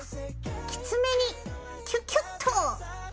きつめにキュキュッと！